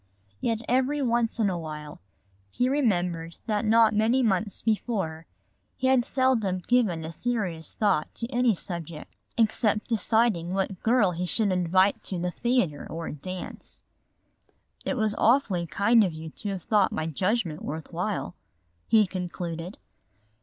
Yet every once in a while he remembered that not many months before he had seldom given a serious thought to any subject except deciding what girl he should invite to the theater or a dance. "It was awfully kind of you to have thought my judgment worth while," he concluded.